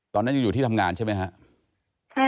ตอนนั้นยังอยู่ที่ทำงานใช่ไหมครับ